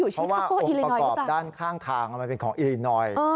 เพราะว่าองค์ประกอบด้านข้างทางมันเป็นของอิรินอย